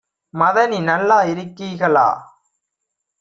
மதனி நல்லா இருக்கீகளா?